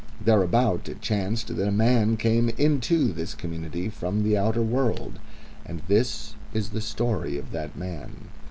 Thereabouts it chanced that a man came into this community from the outer world. And this is the story of that man.